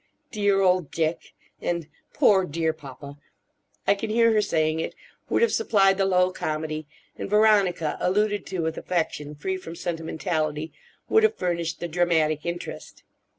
"Dear old Dick" and "Poor dear papa"—I can hear her saying it—would have supplied the low comedy, and Veronica, alluded to with affection free from sentimentality, would have furnished the dramatic interest.